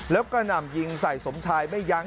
แล้วก็หนำยิงใส่สมชายไม่ยั้ง